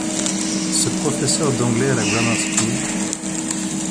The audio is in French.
Ce professeur d’anglais à la Grammar School.